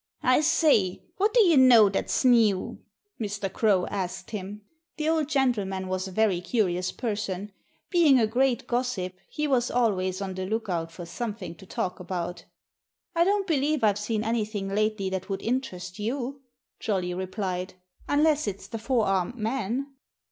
"I say, what do you know that's new?" Mr. Crow asked him. The old gentleman was a very curious person. Being a great gossip, he was always on the lookout for something to talk about. "I don't believe I've seen anything lately that would interest you," Jolly replied, "unless it's the four armed man."